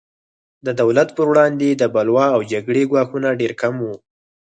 د دولت پر وړاندې د بلوا او جګړې ګواښونه ډېر کم وو.